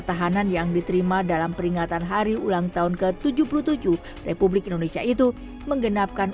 tahanan yang diterima dalam peringatan hari ulang tahun ke tujuh puluh tujuh republik indonesia itu menggenapkan